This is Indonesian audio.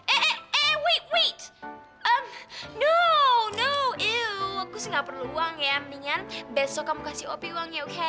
eh eh eh wait wait ehm no no eww aku sih nggak perlu uang ya mendingan besok kamu kasih opi uangnya oke